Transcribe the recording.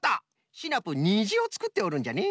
シナプーにじをつくっておるんじゃね。